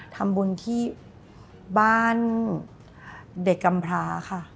ทำบุญที่บ้านเด็กกำพราค่ะ